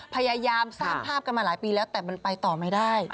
พยายามสร้างภาพกันมาหลายปีแล้วแต่มันไปต่อไม่ได้